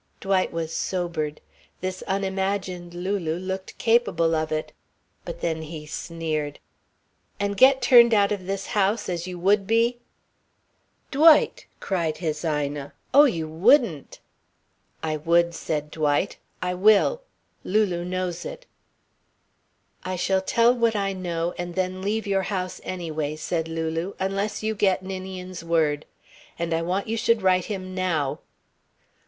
Dwight was sobered. This unimagined Lulu looked capable of it. But then he sneered. "And get turned out of this house, as you would be?" "Dwight!" cried his Ina. "Oh, you wouldn't!" "I would," said Dwight. "I will. Lulu knows it." "I shall tell what I know and then leave your house anyway," said Lulu, "unless you get Ninian's word. And I want you should write him now."